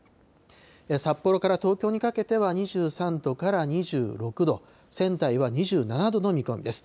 札幌から東京にかけては２３度から２６度、仙台は２７度の見込みです。